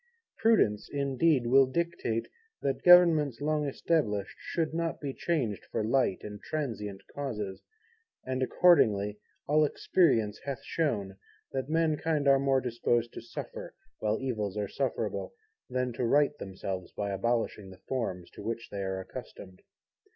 Prudence, indeed, will dictate that Governments long established should not be changed for light and transient causes; and accordingly all experience hath shown, that mankind are more disposed to suffer, while evils are sufferable, than to right themselves by abolishing the forms to which they are accustomed.